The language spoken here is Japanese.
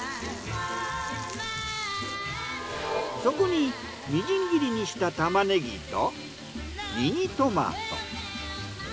そこにみじん切りにしたタマネギとミニトマト。